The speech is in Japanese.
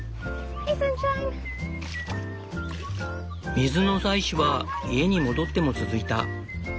水の採取は家に戻っても続いた。